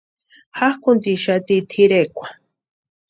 Jakʼuntixati tʼirekwa.